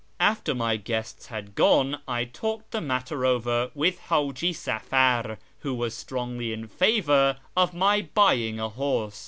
After my guests had gone I talked the matter over with Hiiji Safar, who was strongly in favour of my buying a horse.